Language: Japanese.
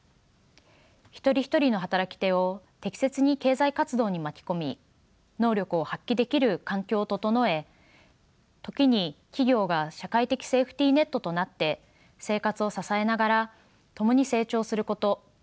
一人一人の働き手を適切に経済活動に巻き込み能力を発揮できる環境を整え時に企業が社会的セーフティーネットとなって生活を支えながら共に成長すること。